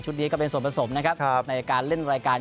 นี้ก็เป็นส่วนผสมนะครับในการเล่นรายการ